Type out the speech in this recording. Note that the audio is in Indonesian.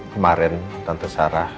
kemarin tante sarah